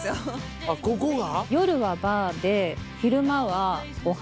あっここが？